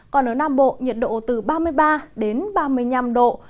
còn ở nam bộ nhiệt độ từ ba mươi ba đến ba mươi năm độ